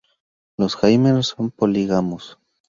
Los hamer son polígamos.